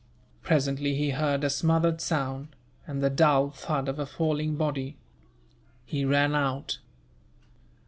Presently he heard a smothered sound, and the dull thud of a falling body. He ran out.